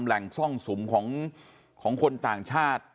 แหล่งซ่องสุมของคนต่างชาติ